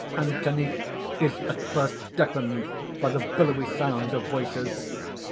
_ _Anthony is at first deafened by the billowy sound of voices.